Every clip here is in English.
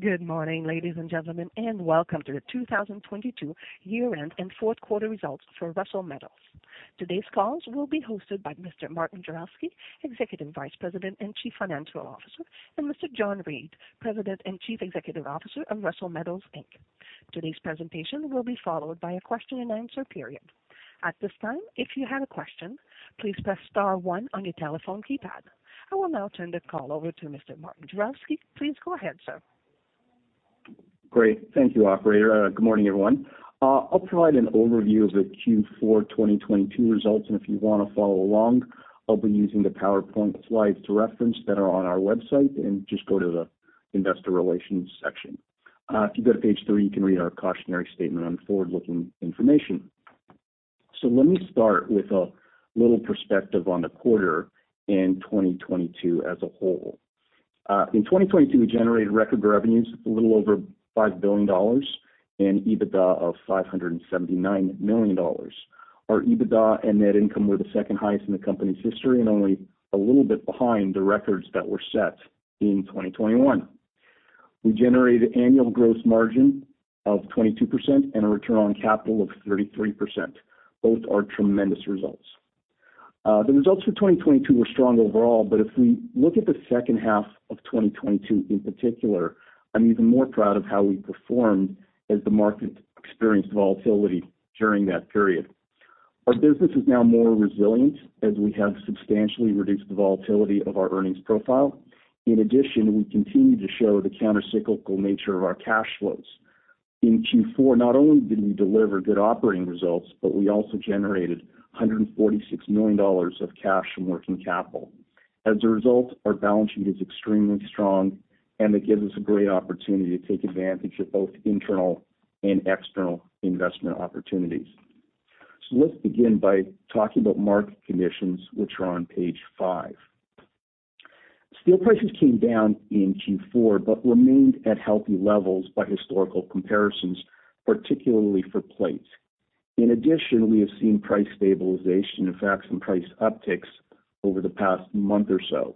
Good morning, ladies and gentlemen, and welcome to the 2022 year-end and fourth quarter results for Russel Metals. Today's calls will be hosted by Mr. Martin Juravsky, Executive Vice President and Chief Financial Officer, and Mr. John Reid, President and Chief Executive Officer of Russel Metals Inc. Today's presentation will be followed by a question-and-answer period. At this time, if you have a question, please press star one on your telephone keypad. I will now turn the call over to Mr. Martin Juravsky. Please go ahead, sir. Great. Thank you, operator. Good morning, everyone. I'll provide an overview of the Q4 2022 results, and if you wanna follow along, I'll be using the PowerPoint slides to reference that are on our website, and just go to the investor relations section. If you go to page three, you can read our cautionary statement on forward-looking information. Let me start with a little perspective on the quarter in 2022 as a whole. In 2022, we generated record revenues, a little over $5 billion, and EBITDA of $579 million. Our EBITDA and net income were the second-highest in the company's history and only a little bit behind the records that were set in 2021. We generated annual gross margin of 22% and a return on capital of 33%. Both are tremendous results. The results for 2022 were strong overall, but if we look at the second half of 2022, in particular, I'm even more proud of how we performed as the market experienced volatility during that period. Our business is now more resilient as we have substantially reduced the volatility of our earnings profile. In addition, we continue to show the counter-cyclical nature of our cash flows. In Q4, not only did we deliver good operating results, but we also generated $146 million of cash from working capital. As a result, our balance sheet is extremely strong, and it gives us a great opportunity to take advantage of both internal and external investment opportunities. Let's begin by talking about market conditions, which are on page five. Steel prices came down in Q4, but remained at healthy levels by historical comparisons, particularly for plates. In addition, we have seen price stabilization, in fact, some price upticks over the past month or so.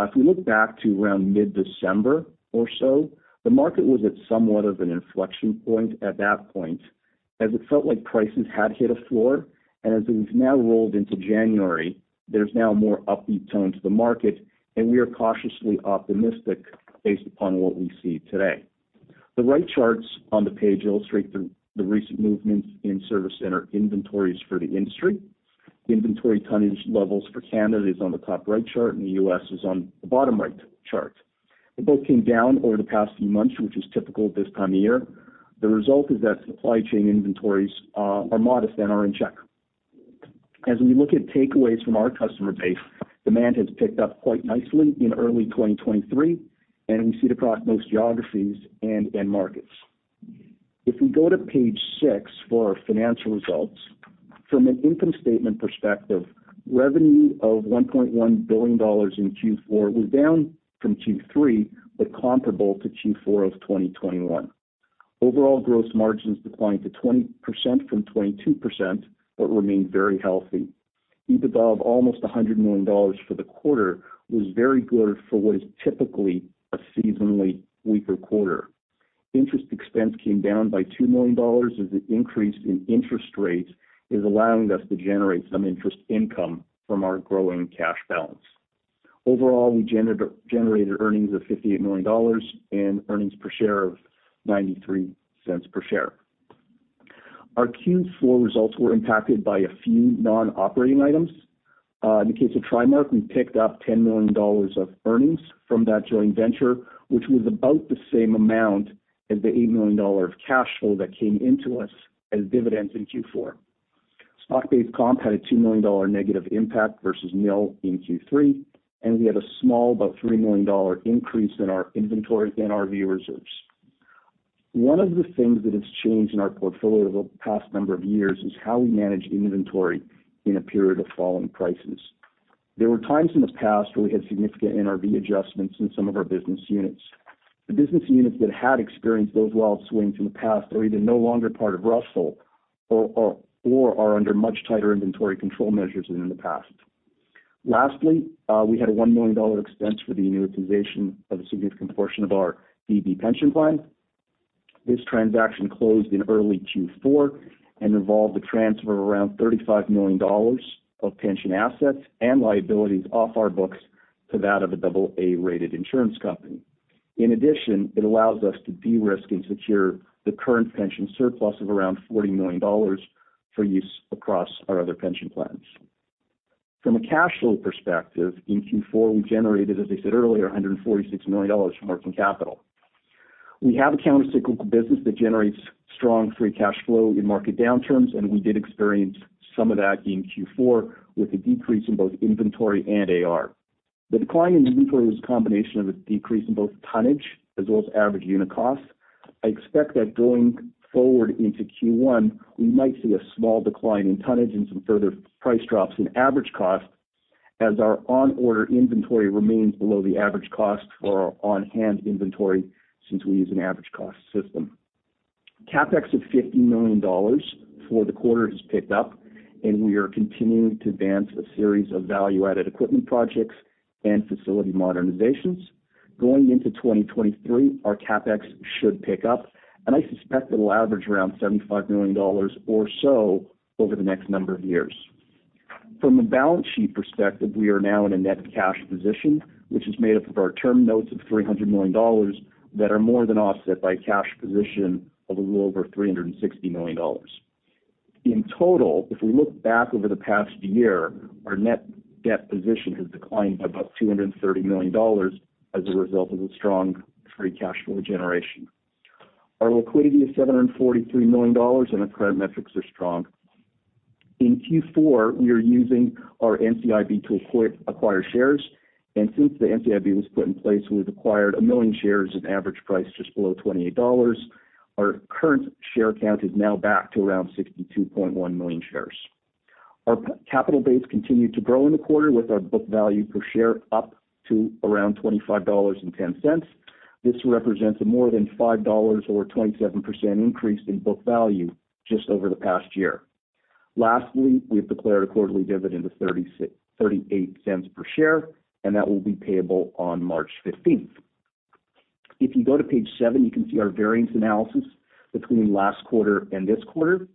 If we look back to around mid-December or so, the market was at somewhat of an inflection point at that point, as it felt like prices had hit a floor. As we've now rolled into January, there's now a more upbeat tone to the market, and we are cautiously optimistic based upon what we see today. The right charts on the page illustrate the recent movements in service center inventories for the industry. Inventory tonnage levels for Canada is on the top right chart, and the U.S. is on the bottom right chart. They both came down over the past few months, which is typical at this time of year. The result is that supply chain inventories are modest and are in check. As we look at takeaways from our customer base, demand has picked up quite nicely in early 2023, and we see it across most geographies and end markets. If we go to page six for our financial results, from an income statement perspective, revenue of $1.1 billion in Q4 was down from Q3, but comparable to Q4 of 2021. Overall, gross margins declined to 20% from 22%, but remained very healthy. EBITDA of almost $100 million for the quarter was very good for what is typically a seasonally weaker quarter. Interest expense came down by $2 million as the increase in interest rates is allowing us to generate some interest income from our growing cash balance. Overall, we generated earnings of $58 million and earnings per share of $0.93 per share. Our Q4 results were impacted by a few non-operating items. In the case of TriMark, we picked up $10 million of earnings from that joint venture, which was about the same amount as the $8 million of cash flow that came into us as dividends in Q4. Stock-based comp had a $2 million negative impact versus nil in Q3, and we had a small, about $3 million increase in our inventory and NRV reserves. One of the things that has changed in our portfolio over the past number of years is how we manage inventory in a period of falling prices. There were times in the past where we had significant NRV adjustments in some of our business units. The business units that had experienced those wild swings in the past are either no longer part of Russel Metals or are under much tighter inventory control measures than in the past. Lastly, we had a $1 million expense for the amortization of a significant portion of our DB pension plan. This transaction closed in early Q4 and involved the transfer of around $35 million of pension assets and liabilities off our books to that of a AA-rated insurance company. In addition, it allows us to de-risk and secure the current pension surplus of around $40 million for use across our other pension plans. From a cash flow perspective, in Q4, we generated, as I said earlier, $146 million from working capital. We have a countercyclical business that generates strong free cash flow in market downturns. We did experience some of that in Q4 with a decrease in both inventory and AR. The decline in inventory was a combination of a decrease in both tonnage as well as average unit costs. I expect that going forward into Q1, we might see a small decline in tonnage and some further price drops in average cost as our on-order inventory remains below the average cost for our on-hand inventory since we use an average cost system. CapEx of 50 million dollars for the quarter has picked up. We are continuing to advance a series of value-added equipment projects and facility modernizations. Going into 2023, our CapEx should pick up. I suspect it'll average around $75 million or so over the next number of years. From a balance sheet perspective, we are now in a net cash position, which is made up of our term notes of $300 million that are more than offset by cash position of a little over $360 million. In total, if we look back over the past year, our net debt position has declined by about $230 million as a result of the strong free cash flow generation. Our liquidity is $743 million, and our credit metrics are strong. In Q4, we are using our NCIB to acquire shares, and since the NCIB was put in place, we've acquired a million shares at average price just below $28. Our current share count is now back to around $62.1 million shares. Our capital base continued to grow in the quarter with our book value per share up to around $25.10. This represents a more than $5 or 27% increase in book value just over the past year. Lastly, we have declared a quarterly dividend of $0.38 per share, and that will be payable on March 15th. If you go to page seven, you can see our variance analysis between last quarter and this quarter.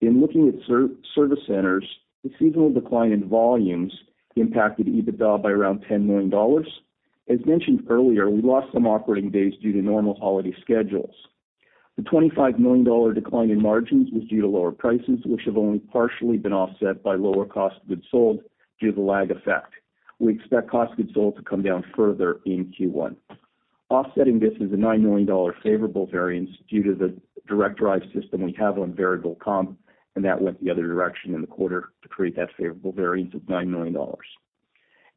In looking at service centers, the seasonal decline in volumes impacted EBITDA by around $10 million. As mentioned earlier, we lost some operating days due to normal holiday schedules. The $25 million decline in margins was due to lower prices, which have only partially been offset by lower cost of goods sold due to the lag effect. We expect cost of goods sold to come down further in Q1. Offsetting this is a $9 million favorable variance due to the direct drive system we have on variable comp, that went the other direction in the quarter to create that favorable variance of $9 million.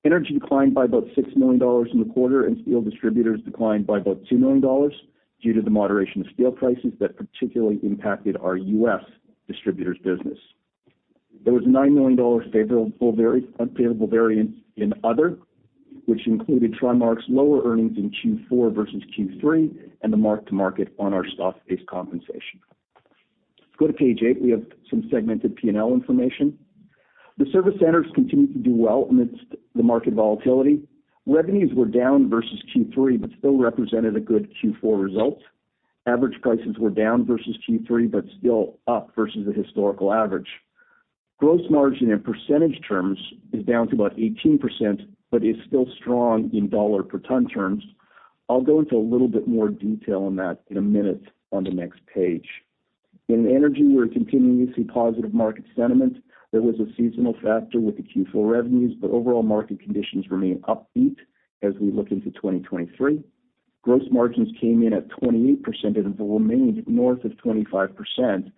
Energy declined by about $6 million in the quarter, steel distributors declined by about $2 million due to the moderation of steel prices that particularly impacted our U.S. distributors business. There was a $9 million unfavorable variance in other, which included TriMark's lower earnings in Q4 versus Q3 and the mark-to-market on our stock-based compensation. Go to page eight. We have some segmented P&L information. The service centers continued to do well amidst the market volatility. Revenues were down versus Q3, still represented a good Q4 result. Average prices were down versus Q3, but still up versus the historical average. Gross margin in percentage terms is down to about 18%, but is still strong in dollar per ton terms. I'll go into a little bit more detail on that in a minute on the next page. In energy, we're continuing to see positive market sentiment. There was a seasonal factor with the Q4 revenues, but overall market conditions remain upbeat as we look into 2023. Gross margins came in at 28% and have remained north of 25%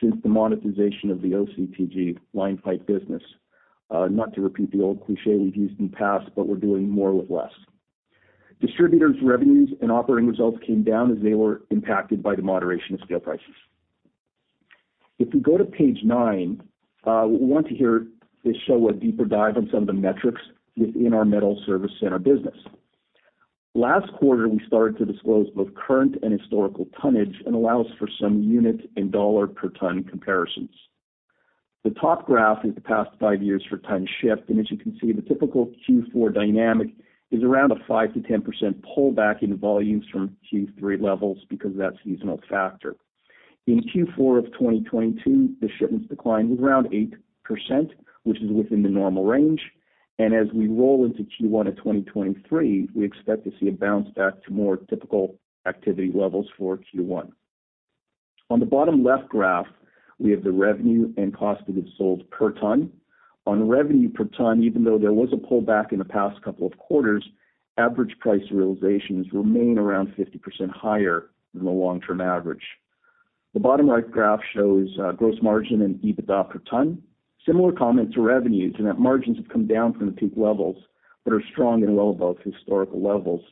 since the monetization of the OCTG line pipe business. Not to repeat the old cliché we've used in the past, but we're doing more with less. Distributors' revenues and operating results came down as they were impacted by the moderation of steel prices. If you go to page nine, we want to show a deeper dive on some of the metrics within our metals service center business. Last quarter, we started to disclose both current and historical tonnage and allow us for some unit and dollar per ton comparisons. The top graph is the past five years for tons shipped, as you can see, the typical Q4 dynamic is around a 5%-10% pullback in volumes from Q3 levels because of that seasonal factor. In Q4 of 2022, the shipments declined around 8%, which is within the normal range, as we roll into Q1 of 2023, we expect to see a bounce back to more typical activity levels for Q1. On the bottom left graph, we have the revenue and cost of goods sold per ton. On revenue per ton, even though there was a pullback in the past couple of quarters, average price realizations remain around 50% higher than the long-term average. The bottom right graph shows gross margin and EBITDA per ton. Similar comment to revenues in that margins have come down from the peak levels but are strong and well above historical levels.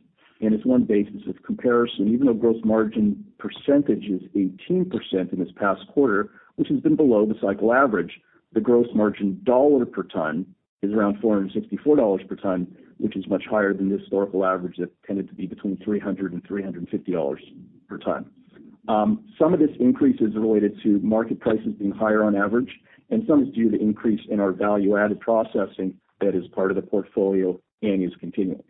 As one basis of comparison, even though gross margin percentage is 18% in this past quarter, which has been below the cycle average, the gross margin dollar per ton is around $464 per ton, which is much higher than the historical average that tended to be between $300-350 per ton. Some of this increase is related to market prices being higher on average, and some is due to increase in our value-added processing that is part of the portfolio and is continuing.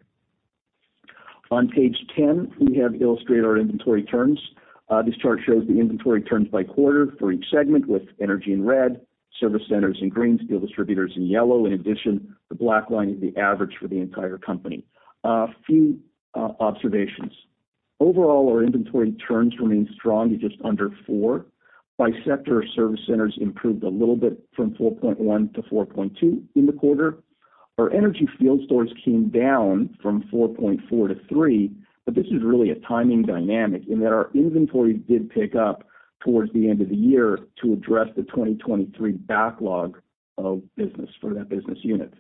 On page 10, we have illustrated our inventory turns. This chart shows the inventory turns by quarter for each segment, with energy in red, service centers in green, steel distributors in yellow. In addition, the black line is the average for the entire company. A few observations. Overall, our inventory turns remain strong at just under four. By sector, service centers improved a little bit from 4.1-4.2 in the quarter. Our energy field stores came down from 4.4 to 3, but this is really a timing dynamic in that our inventory did pick up towards the end of the year to address the 2023 backlog of business for that business unit.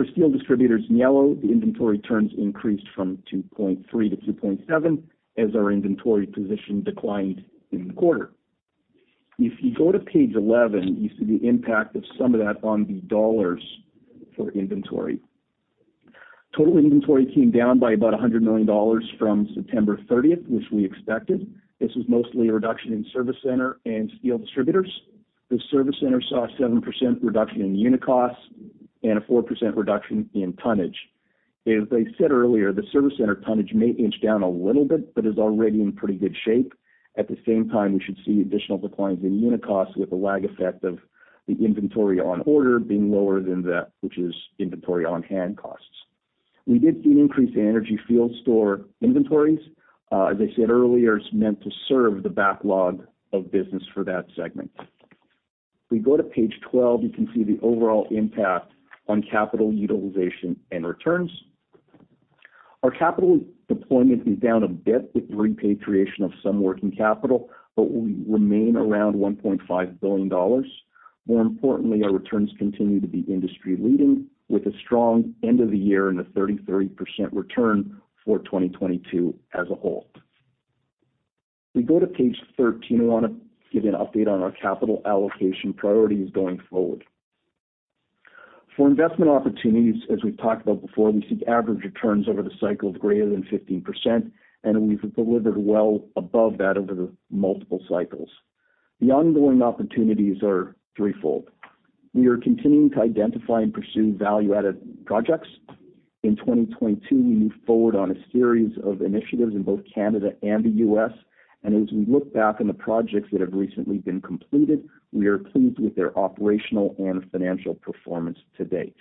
For steel distributors in yellow, the inventory turns increased from 2.3-2.7 as our inventory position declined in the quarter. If you go to page 11, you see the impact of some of that on the dollars for inventory. Total inventory came down by about $100 million from September 30th, which we expected. This was mostly a reduction in service center and steel distributors. The service center saw a 7% reduction in unit costs and a 4% reduction in tonnage. As I said earlier, the service center tonnage may inch down a little bit, but is already in pretty good shape. At the same time, we should see additional declines in unit costs with the lag effect of the inventory on order being lower than the, which is inventory on-hand costs. As I said earlier, it's meant to serve the backlog of business for that segment. If we go to page 12, you can see the overall impact on capital utilization and returns. Our capital deployment is down a bit with repatriation of some working capital, but we remain around $1.5 billion. More importantly, our returns continue to be industry-leading with a strong end of the year and a 33% return for 2022 as a whole. If we go to page 13, I wanna give you an update on our capital allocation priorities going forward. For investment opportunities, as we've talked about before, we seek average returns over the cycle of greater than 15%, and we've delivered well above that over the multiple cycles. The ongoing opportunities are threefold. We are continuing to identify and pursue value-added projects. In 2022, we moved forward on a series of initiatives in both Canada and the U.S. As we look back on the projects that have recently been completed, we are pleased with their operational and financial performance to date.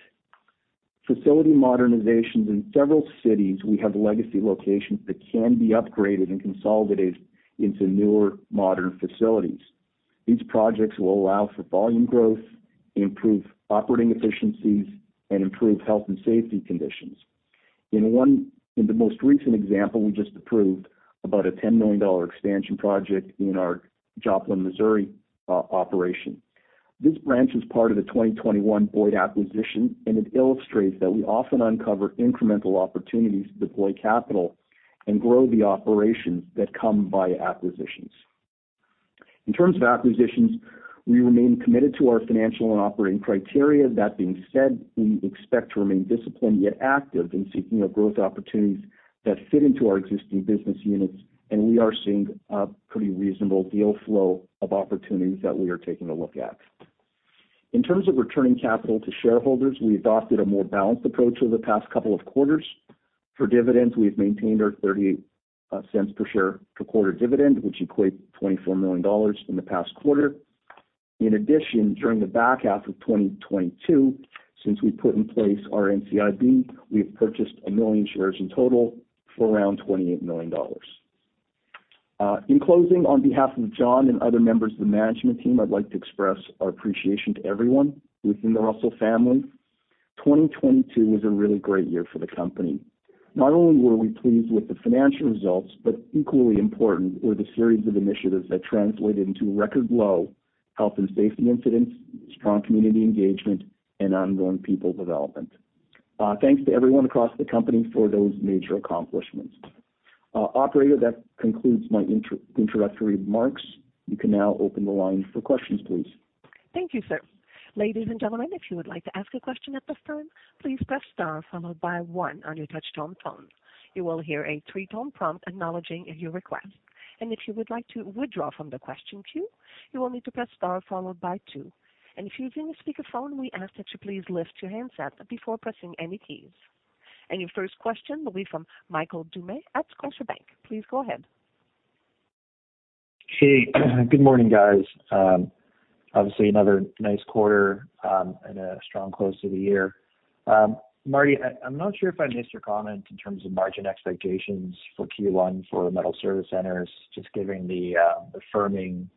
Facility modernizations. In several cities, we have legacy locations that can be upgraded and consolidated into newer, modern facilities. These projects will allow for volume growth, improve operating efficiencies, and improve health and safety conditions. In the most recent example, we just approved about a $10 million expansion project in our Joplin Missouri, operation. This branch is part of the 2021 Boyd Metals acquisition, it illustrates that we often uncover incremental opportunities to deploy capital and grow the operations that come via acquisitions. In terms of acquisitions, we remain committed to our financial and operating criteria. That being said, we expect to remain disciplined, yet active in seeking out growth opportunities that fit into our existing business units. We are seeing a pretty reasonable deal flow of opportunities that we are taking a look at. In terms of returning capital to shareholders, we adopted a more balanced approach over the past couple of quarters. For dividends, we've maintained our $0.38 per share per quarter dividend, which equates $24 million in the past quarter. In addition, during the back half of 2022, since we put in place our NCIB, we have purchased a million shares in total for around $28 million. In closing, on behalf of John and other members of the management team, I'd like to express our appreciation to everyone within the Russel family. 2022 was a really great year for the company. Not only were we pleased with the financial results, but equally important were the series of initiatives that translated into record low health and safety incidents, strong community engagement, and ongoing people development. Thanks to everyone across the company for those major accomplishments. Operator, that concludes my introductory remarks. You can now open the line for questions, please. Thank you, sir. Ladies and gentlemen, if you would like to ask a question at this time, please press star followed by one on your touchtone phone. You will hear a three-tone prompt acknowledging your request. If you would like to withdraw from the question queue, you will need to press star followed by two. If you're using a speakerphone, we ask that you please lift your handset before pressing any keys. Your first question will be from Michael Doumet at Scotiabank. Please go ahead. Hey, good morning, guys. obviously another nice quarter, and a strong close to the year. Marty, I'm not sure if I missed your comment in terms of margin expectations for Q1 for metal service centers, just giving the firming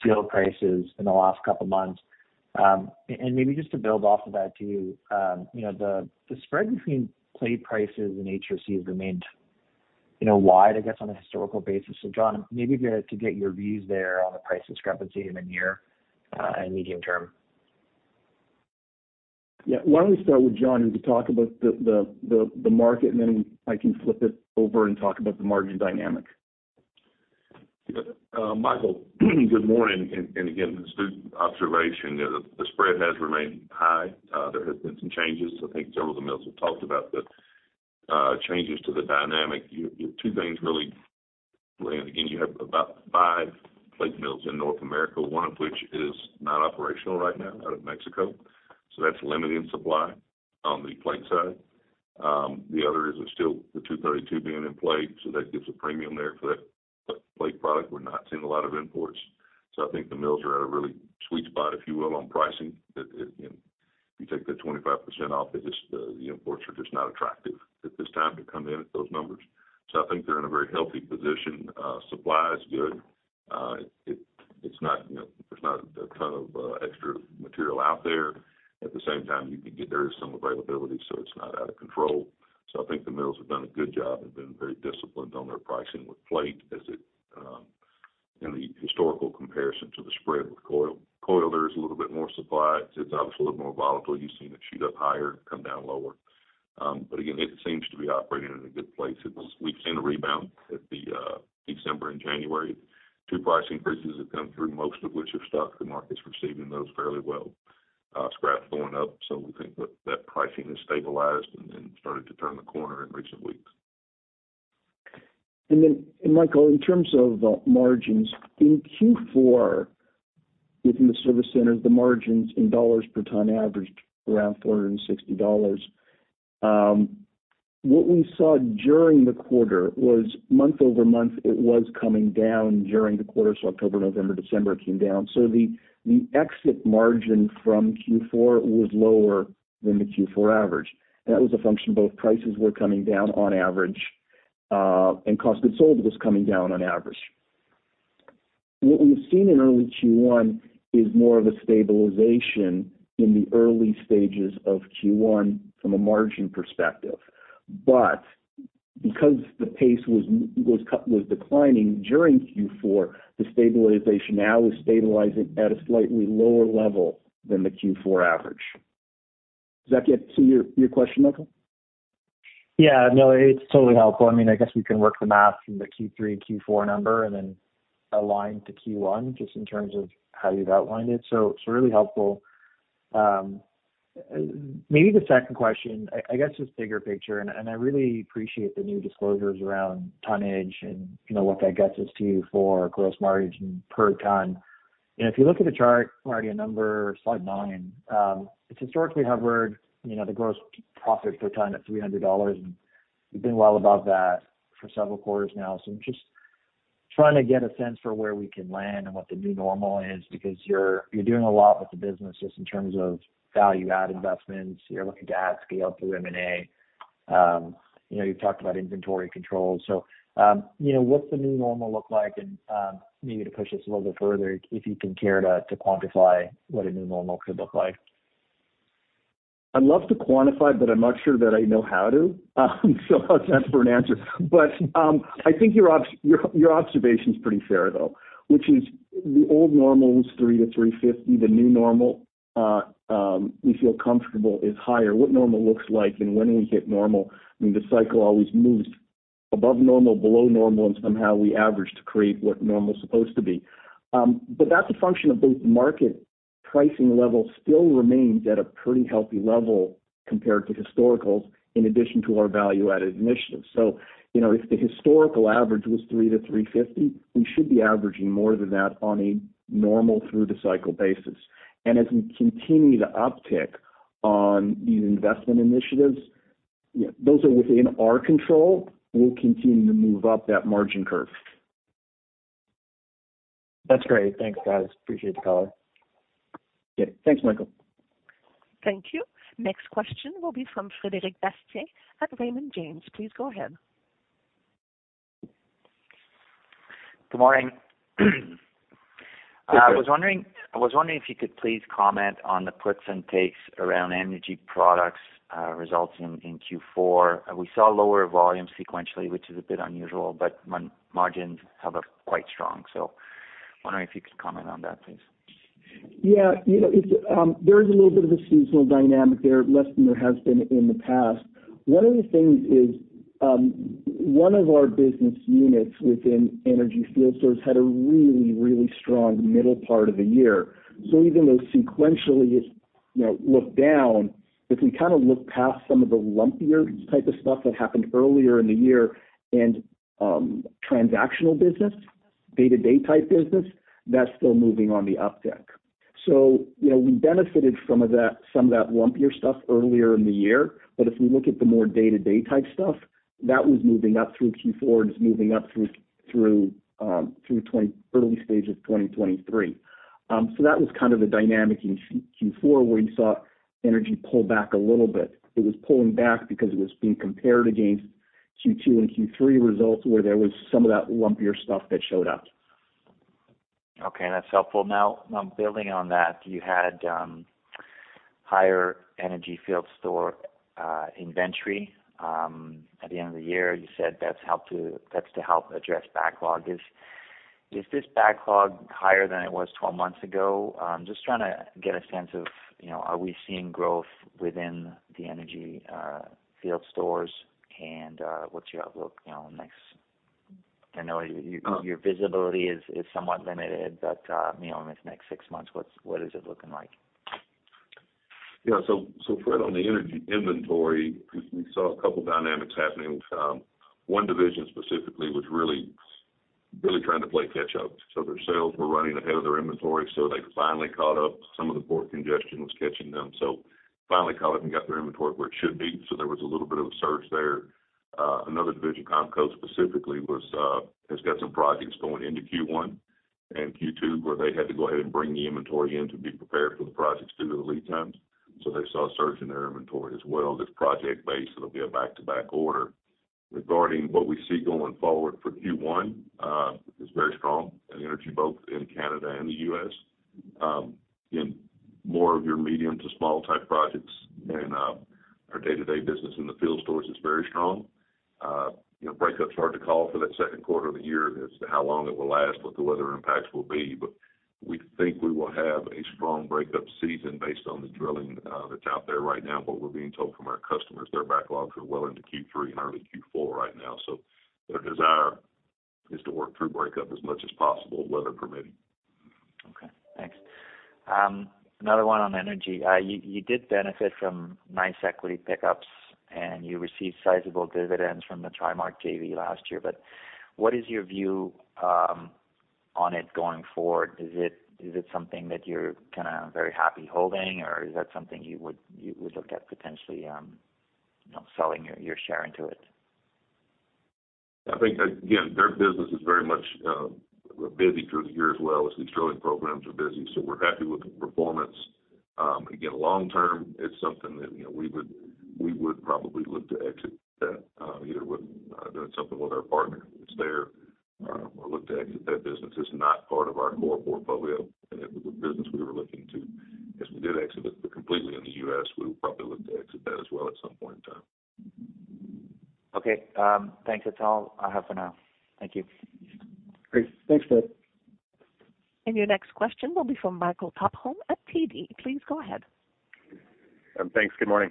steel prices in the last couple of months? maybe just to build off of that too, you know, the spread between plate prices and HRC has remained, you know, wide, I guess, on a historical basis. John, maybe if you had to get your views there on the price discrepancy in the near, and medium term? Yeah. Why don't we start with John to talk about the market, and then I can flip it over and talk about the margin dynamic. Michael, good morning. Again, it's a good observation. The spread has remained high. There have been some changes. I think some of the mills have talked about the changes to the dynamic. Two things really playing. Again, you have about five plate mills in North America, one of which is not operational right now out of Mexico, so that's limiting supply on the plate side. The other is the steel, the Section 232 being in plate, so that gives a premium there for that plate product. We're not seeing a lot of imports, so I think the mills are at a really sweet spot, if you will, on pricing. That, it, you know, if you take that 25% off, it just, the imports are just not attractive at this time to come in at those numbers. I think they're in a very healthy position. supply is good. it, it's not, you know, there's not a ton of extra material out there. At the same time, there is some availability, so it's not out of control. I think the mills have done a good job. They've been very disciplined on their pricing with plate as it in the historical comparison to the spread with coil. Coil, there's a little bit more supply. It's, it's obviously a little more volatile. You've seen it shoot up higher, come down lower. But again, it seems to be operating in a good place. we've seen a rebound at the December and January. Two price increases have come through, most of which have stuck. The market's receiving those fairly well. Scrap's going up. We think that that pricing has stabilized and then started to turn the corner in recent weeks. Michael, in terms of margins, in Q4, within the service centers, the margins in dollars per ton averaged around $460. What we saw during the quarter was month-over-month, it was coming down during the quarter. October, November, December, it came down. The exit margin from Q4 was lower than the Q4 average. That was a function both prices were coming down on average, and cost good sold was coming down on average. What we've seen in early Q1 is more of a stabilization in the early stages of Q1 from a margin perspective. Because the pace was declining during Q4, the stabilization now is stabilizing at a slightly lower level than the Q4 average. Does that get to your question, Michael? Yeah. No, it's totally helpful. I mean, I guess we can work the math from the Q3, Q4 number and then align to Q1 just in terms of how you've outlined it. It's really helpful. Maybe the second question, I guess, just bigger picture, and I really appreciate the new disclosures around tonnage and, you know, what that gets us to for gross margin per ton. You know, if you look at the chart, already a number slide nine, it's historically hovered, you know, the gross profit per ton at $300, and you've been well above that for several quarters now. I'm just trying to get a sense for where we can land and what the new normal is because you're doing a lot with the business just in terms of value-add investments. You're looking to add scale through M&A. You know, you've talked about inventory control. You know, what's the new normal look like? Maybe to push us a little bit further, if you can care to quantify what a new normal could look like. I'd love to quantify, but I'm not sure that I know how to. How's that for an answer? I think your observation is pretty fair though, which is the old normal was three to fifth. The new normal, we feel comfortable is higher. What normal looks like and when we hit normal, I mean, the cycle always moves above normal, below normal, and somehow we average to create what normal is supposed to be. That's a function of both market pricing levels still remains at a pretty healthy level compared to historicals in addition to our value-added initiatives. You know, if the historical average was three to fifth, we should be averaging more than that on a normal through the cycle basis. As we continue to uptick on these investment initiatives, you know, those are within our control, we'll continue to move up that margin curve. That's great. Thanks, guys. Appreciate the call. Yeah. Thanks, Michael. Thank you. Next question will be from Frederic Bastien at Raymond James. Please go ahead. Good morning. Good day. I was wondering if you could please comment on the puts and takes around energy products results in Q4? We saw lower volume sequentially, which is a bit unusual, but margins have a quite strong. Wondering if you could comment on that, please? You know, it's, there is a little bit of a seasonal dynamic there, less than there has been in the past. One of the things is, one of our business units within energy field stores had a really, really strong middle part of the year. Even though sequentially it's, you know, looked down, if we kinda look past some of the lumpier type of stuff that happened earlier in the year and transactional business, day-to-day type business, that's still moving on the uptick. You know, we benefited some of that lumpier stuff earlier in the year. If we look at the more day-to-day type stuff, that was moving up through Q4 and is moving up through early stages of 2023. That was kind of the dynamic in Q4 where you saw energy pull back a little bit. It was pulling back because it was being compared against Q2 and Q3 results, where there was some of that lumpier stuff that showed up. Okay, that's helpful. Building on that, you had higher energy field store inventory at the end of the year. You said that's to help address backlog. Is this backlog higher than it was 12 months ago? Just trying to get a sense of, you know, are we seeing growth within the energy field stores and what's your outlook, you know, next... I know your visibility is somewhat limited, you know, in this next 6 months, what is it looking like? Yeah. Fred, on the energy inventory, we saw a couple dynamics happening. One division specifically was really trying to play catch up. Their sales were running ahead of their inventory, so they finally caught up. Some of the port congestion was catching them. Finally caught up and got their inventory where it should be. There was a little bit of a surge there. Another division, Comco specifically, has got some projects going into Q1 and Q2, where they had to go ahead and bring the inventory in to be prepared for the projects due to the lead times. They saw a surge in their inventory as well. It's project-based, it'll be a back-to-back order. Regarding what we see going forward for Q1, is very strong in energy, both in Canada and the U.S. In more of your medium to small type projects and our day-to-day business in the field stores is very strong. You know, breakup's hard to call for that second quarter of the year as to how long it will last, what the weather impacts will be, but we think we will have a strong breakup season based on the drilling that's out there right now. We're being told from our customers their backlogs are well into Q3 and early Q4 right now. Their desire is to work through breakup as much as possible, weather permitting. Thanks. Another one on energy. You did benefit from nice equity pickups and you received sizable dividends from the TriMark JV last year. What is your view on it going forward? Is it something that you're kinda very happy holding or is that something you would look at potentially, you know, selling your share into it? I think that, again, their business is very much, busy through the year as well as these drilling programs are busy, so we're happy with the performance. Again, long term, it's something that, you know, we would probably look to exit that, either with, doing something with our partner that's there, or look to exit that business. It's not part of our core portfolio, and if it were business we were looking to. As we did exit it completely in the U.S., we would probably look to exit that as well at some point in time. Okay. Thanks. That's all I have for now. Thank you. Great. Thanks, Fred. Your next question will be from Michael Tupholme at TD. Please go ahead. Thanks. Good morning.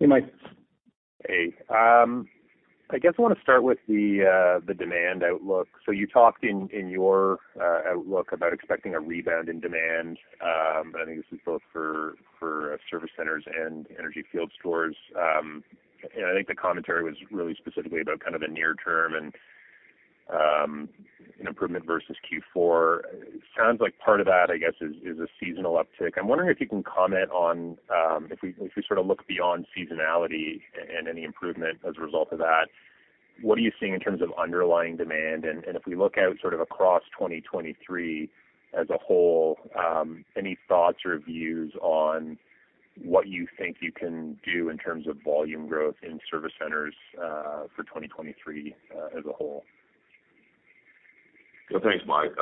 Hey, Mic. Hey. I guess I wanna start with the demand outlook. You talked in your outlook about expecting a rebound in demand, and I think this is both for service centers and energy field stores. I think the commentary was really specifically about kind of the near term and, you know, improvement versus Q4. Sounds like part of that, I guess, is a seasonal uptick. I'm wondering if you can comment on if we sort of look beyond seasonality and any improvement as a result of that, what are you seeing in terms of underlying demand? If we look out sort of across 2023 as a whole, any thoughts or views on what you think you can do in terms of volume growth in service centers, for 2023, as a whole? Well, thanks, Mic.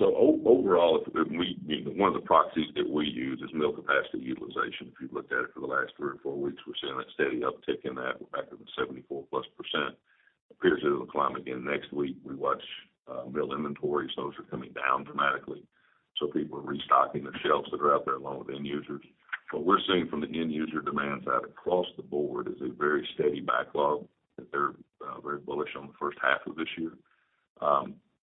Overall, one of the proxies that we use is mill capacity utilization. If you've looked at it for the last three or four weeks, we're seeing a steady uptick in that. We're back up to +74%. Appears it'll climb again next week. We watch mill inventories. Those are coming down dramatically, so people are restocking the shelves that are out there along with end users. What we're seeing from the end user demand side across the board is a very steady backlog, that they're very bullish on the first half of this year.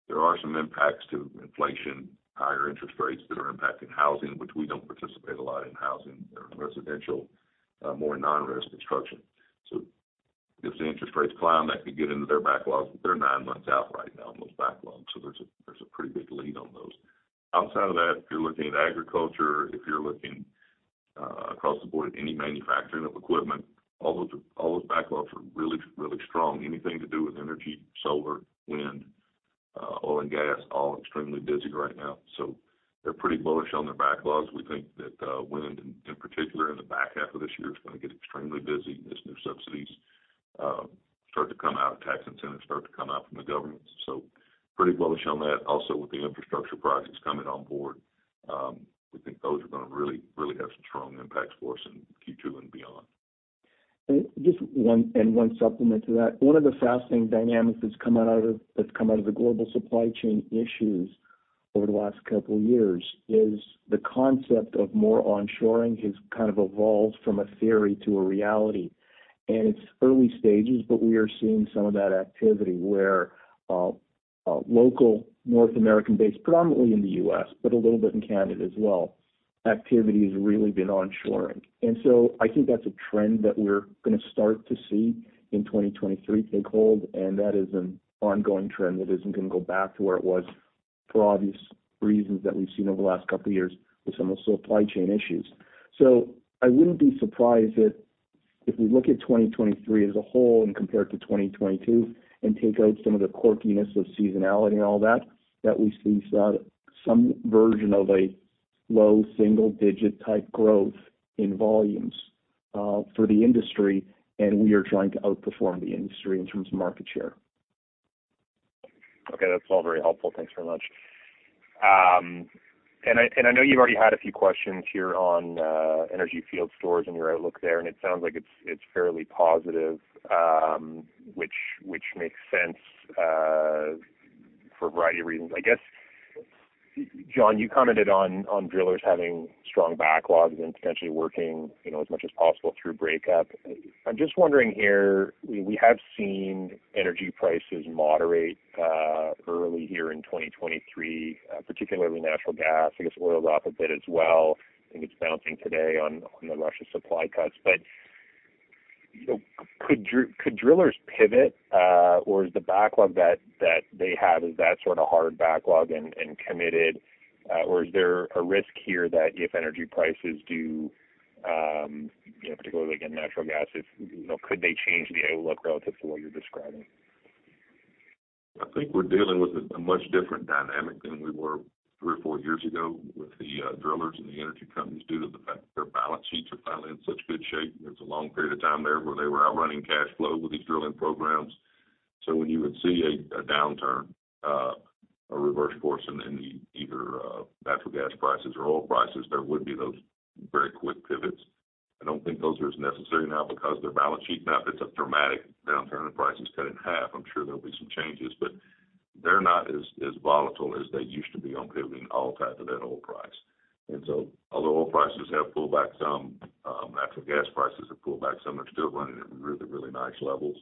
There are some impacts to inflation, higher interest rates that are impacting housing, which we don't participate a lot in housing or residential, more non-res construction. If the interest rates climb, that could get into their backlogs, but they're nine months out right now on those backlogs, there's a pretty big lead on those. Outside of that, if you're looking at agriculture, if you're looking across the board at any manufacturing of equipment, all those backlogs are really, really strong. Anything to do with energy, solar, wind, oil and gas, all extremely busy right now. They're pretty bullish on their backlogs. We think that wind in particular in the back half of this year is gonna get extremely busy as new subsidies start to come out, tax incentives start to come out from the government. Pretty bullish on that. Also, with the infrastructure projects coming on board, we think those are gonna really, really have some strong impacts for us in Q2 and beyond. Just one supplement to that. One of the fascinating dynamics that's come out of the global supply chain issues over the last couple of years is the concept of more onshoring has kind of evolved from a theory to a reality. It's early stages, but we are seeing some of that activity where local North American base, predominantly in the U.S., but a little bit in Canada as well, activity has really been onshoring. I think that's a trend that we're gonna start to see in 2023 take hold, and that is an ongoing trend that isn't gonna go back to where it was for obvious reasons that we've seen over the last couple of years with some of the supply chain issues. I wouldn't be surprised if we look at 2023 as a whole and compare it to 2022 and take out some of the quirkiness of seasonality and all that we see some version of a low single-digit type growth in volumes for the industry, and we are trying to outperform the industry in terms of market share. Okay. That's all very helpful. Thanks very much. I, and I know you've already had a few questions here on energy field stores and your outlook there, and it sounds like it's fairly positive, which makes sense for a variety of reasons. I guess, John Reid, you commented on drillers having strong backlogs and potentially working, you know, as much as possible through breakup. I'm just wondering here, we have seen energy prices moderate early here in 2023, particularly natural gas. I guess oil dropped a bit as well. I think it's bouncing today on the Russia supply cuts. You know, could drillers pivot, or is the backlog that they have, is that sort of hard backlog and committed? Is there a risk here that if energy prices do, you know, particularly again natural gas, if, you know, could they change the outlook relative to what you're describing? I think we're dealing with a much different dynamic than we were three or four years ago with the drillers and the energy companies due to the fact that their balance sheets are finally in such good shape. There's a long period of time there where they were outrunning cash flow with these drilling programs. When you would see a downturn, a reverse course in the either natural gas prices or oil prices, there would be those very quick pivots. I don't think those are as necessary now because their balance sheet. Now, if it's a dramatic downturn and prices cut in half, I'm sure there'll be some changes, but they're not as volatile as they used to be on pivoting all tied to that oil price. Although oil prices have pulled back some, natural gas prices have pulled back some, they're still running at really, really nice levels.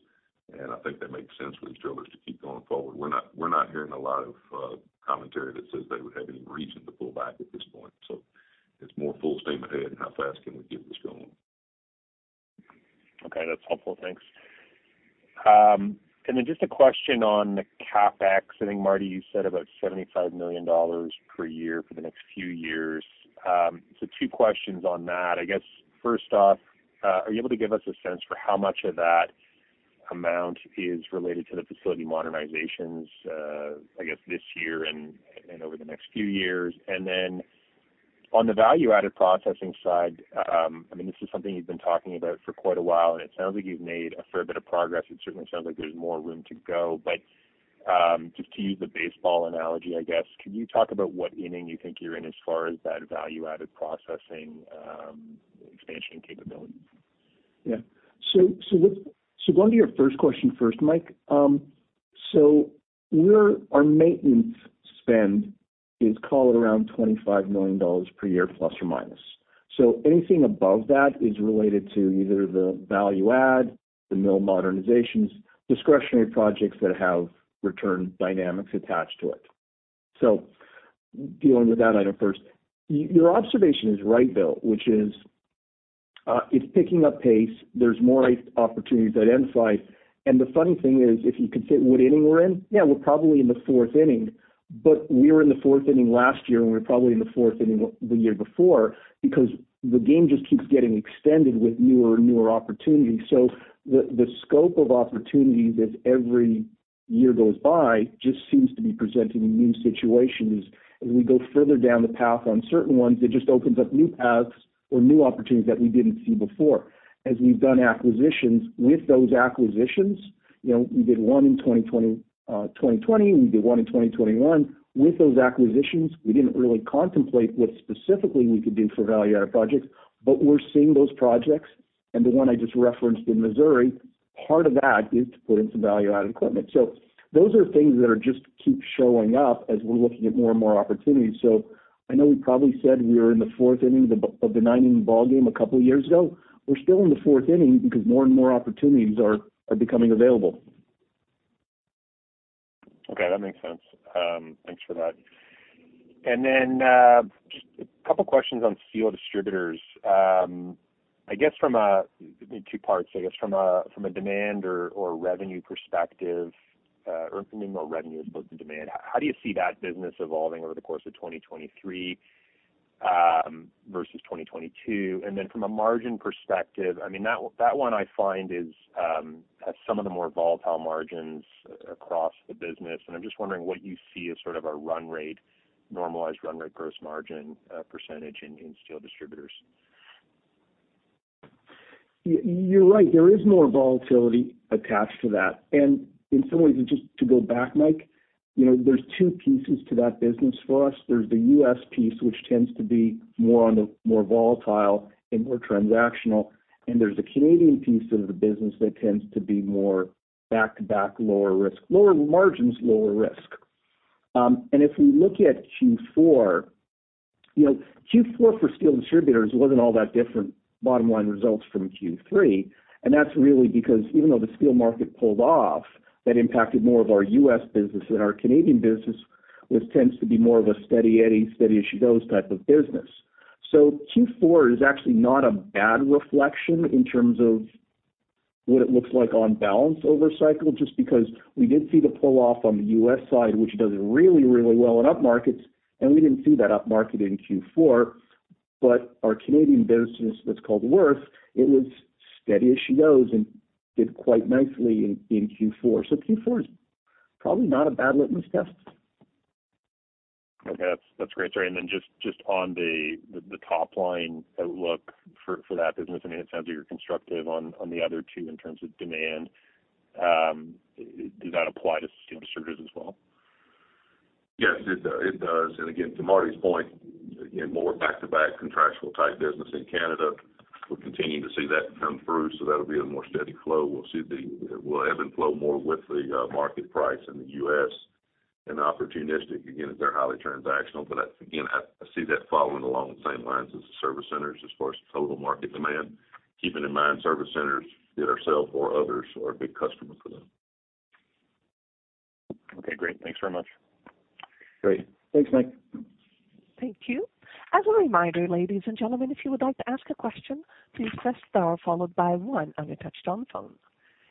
I think that makes sense for the drillers to keep going forward. We're not hearing a lot of commentary that says they would have any reason to pull back at this point. It's more full steam ahead and how fast can we get this going. Okay, that's helpful. Thanks. Then just a question on the CapEx. I think, Martin, you said about $75 million per year for the next few years. Two questions on that. I guess, first off, are you able to give us a sense for how much of that amount is related to the facility modernizations, I guess this year and over the next few years? Then on the value-added processing side, I mean, this is something you've been talking about for quite a while, and it sounds like you've made a fair bit of progress. It certainly sounds like there's more room to go. Just to use the baseball analogy, I guess, could you talk about what inning you think you're in as far as that value-added processing, expansion capability? Going to your first question first, Mic, our maintenance spend is call it around $25 million per year ±. Anything above that is related to either the value add, the mill modernizations, discretionary projects that have return dynamics attached to it. Dealing with that item first. Your observation is right, though, which is, it's picking up pace. There's more opportunities at end site. The funny thing is, if you consider what inning we're in, we're probably in the fourth inning, but we were in the fourth inning last year, and we were probably in the fourth inning the year before because the game just keeps getting extended with newer and newer opportunities. The, the scope of opportunities as every year goes by just seems to be presenting in new situations. As we go further down the path on certain ones, it just opens up new paths or new opportunities that we didn't see before. As we've done acquisitions, with those acquisitions, you know, we did one in 2020. We did one in 2021. With those acquisitions, we didn't really contemplate what specifically we could do for value add projects, but we're seeing those projects. The one I just referenced in Missouri, part of that is to put in some value added equipment. Those are things that are just keep showing up as we're looking at more and more opportunities. I know we probably said we were in the fourth inning of the, of the 9-inning ballgame a couple years ago. We're still in the fourth inning because more and more opportunities are becoming available. Okay, that makes sense. Thanks for that. Just a couple questions on steel distributors. I guess two parts, I guess from a demand or revenue perspective, or maybe more revenue as opposed to demand, how do you see that business evolving over the course of 2023 versus 2022? From a margin perspective, I mean, that one I find is has some of the more volatile margins across the business, and I'm just wondering what you see as sort of a normalized run rate gross margin percentage in steel distributors. You're right. There is more volatility attached to that. In some ways, and just to go back, Mike, you know, there's two pieces to that business for us. There's the U.S. piece, which tends to be more on the volatile and more transactional, and there's a Canadian piece of the business that tends to be more back-to-back lower risk, lower margins. If we look at Q4, you know, Q4 for steel distributors wasn't all that different bottom line results from Q3. That's really because even though the steel market pulled off, that impacted more of our U.S. business than our Canadian business, which tends to be more of a steady eddy, steady as she goes type of business. Q4 is actually not a bad reflection in terms of what it looks like on balance over cycle, just because we did see the pull-off on the U.S. side, which does really, really well in up markets, and we didn't see that up market in Q4. Our Canadian business, that's called Wirth, it was steady as she goes and did quite nicely in Q4. Q4 is probably not a bad litmus test. Okay. That's great. Sorry. Just on the top line outlook for that business, I mean, it sounds like you're constructive on the other two in terms of demand. Does that apply to steel distributors as well? Yes, it does. Again, to Martin point, again, more back-to-back contractual type business in Canada. We're continuing to see that come through, so that'll be a more steady flow. We'll see it will ebb and flow more with the market price in the U.S. and opportunistic, again, as they're highly transactional. Again, I see that following along the same lines as the service centers as far as total market demand. Keeping in mind, service centers, either ourselves or others, are a big customer for them. Okay, great. Thanks very much. Great. Thanks, Mic. Thank you. As a reminder, ladies and gentlemen, if you would like to ask a question, please press star followed by one on your touchtone phone.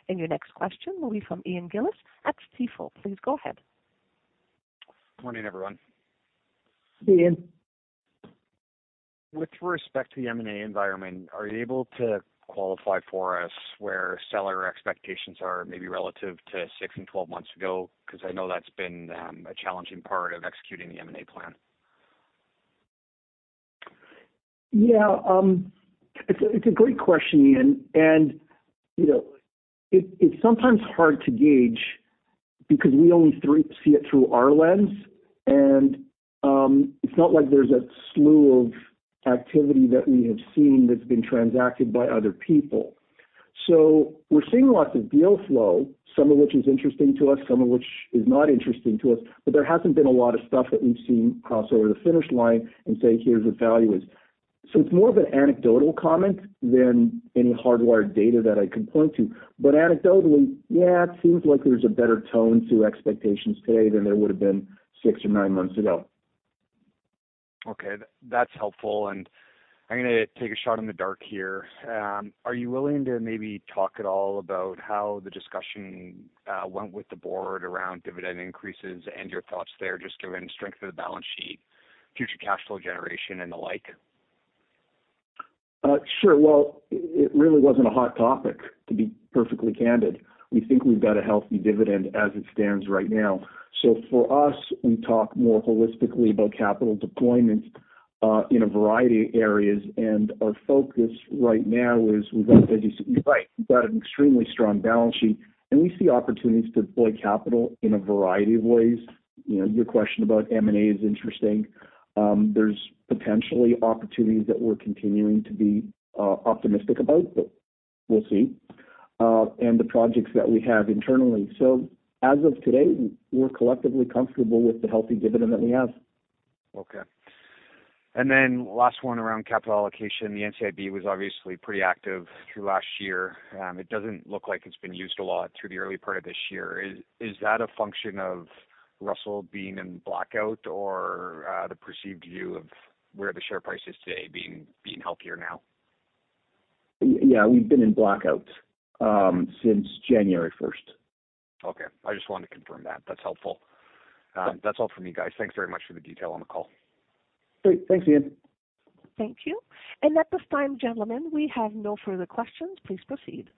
Your next question will be from Ian Gillies at Stifel. Please go ahead. Morning, everyone. Ian. With respect to the M&A environment, are you able to qualify for us where seller expectations are maybe relative to six and 12 months ago? I know that's been a challenging part of executing the M&A plan. Yeah. It's a great question, Ian. You know, it's sometimes hard to gauge because we only see it through our lens. It's not like there's a slew of activity that we have seen that's been transacted by other people. We're seeing lots of deal flow, some of which is interesting to us, some of which is not interesting to us, but there hasn't been a lot of stuff that we've seen cross over the finish line and say, "Here's what value is." It's more of an anecdotal comment than any hardwired data that I can point to. Anecdotally, yeah, it seems like there's a better tone to expectations today than there would have been six or nine months ago. Okay. That's helpful. I'm gonna take a shot in the dark here. Are you willing to maybe talk at all about how the discussion went with the board around dividend increases and your thoughts there, just given strength of the balance sheet, future cash flow generation and the like? Sure. Well, it really wasn't a hot topic, to be perfectly candid. We think we've got a healthy dividend as it stands right now. For us, we talk more holistically about capital deployment in a variety of areas, and our focus right now is we've got, as you're right, we've got an extremely strong balance sheet, and we see opportunities to deploy capital in a variety of ways. You know, your question about M&A is interesting. There's potentially opportunities that we're continuing to be optimistic about, but we'll see. The projects that we have internally. As of today, we're collectively comfortable with the healthy dividend that we have. Last one around capital allocation. The NCIB was obviously pretty active through last year. It doesn't look like it's been used a lot through the early part of this year. Is that a function of Russel Metals being in blackout or the perceived view of where the share price is today being healthier now? Yeah, we've been in blackout since January first. Okay. I just wanted to confirm that. That's helpful. That's all for me, guys. Thanks very much for the detail on the call. Great. Thanks, Ian. Thank you. At this time, gentlemen, we have no further questions. Please proceed.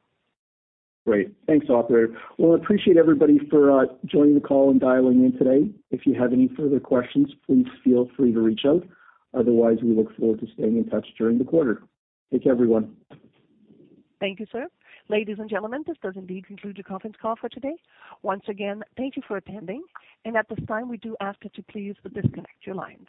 Great. Thanks, operator. Appreciate everybody for joining the call and dialing in today. If you have any further questions, please feel free to reach out. Otherwise, we look forward to staying in touch during the quarter. Take care, everyone. Thank you, sir. Ladies and gentlemen, this does indeed conclude the conference call for today. Once again, thank you for attending. At this time, we do ask you to please disconnect your lines.